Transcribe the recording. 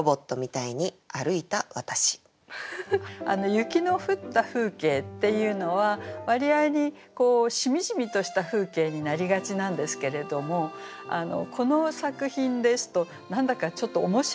雪の降った風景っていうのは割合にしみじみとした風景になりがちなんですけれどもこの作品ですと何だかちょっと面白い風景になってるんですね。